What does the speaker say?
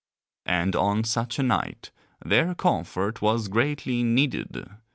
And on such a night their comfort was greatly needed.